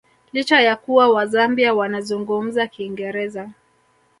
Licha ya kuwa Wazambia wanazungumza Kiingereza